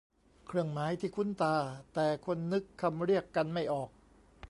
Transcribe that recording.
เครื่องหมายที่คุ้นตาแต่คนนึกคำเรียกกันไม่ออก